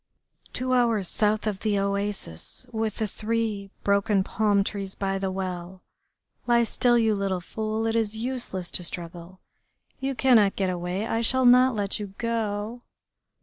"Two hours south of the oasis with the three broken palm trees by the well.... Lie still, you little fool, it is useless to struggle. You cannot get away, I shall not let you go....